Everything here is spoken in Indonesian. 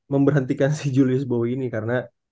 memberhentikan si julius bowi ini karena